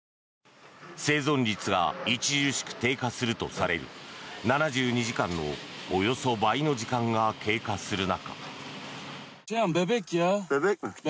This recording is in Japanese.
生存率が著しく低下されるとする７２時間のおよそ倍の時間が経過する中。